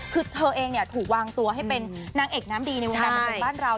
คือเธอเองถูกวางตัวให้เป็นนางเอกน้ำดีในวงการบันเทิงบ้านเรา